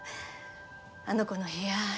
あの子の部屋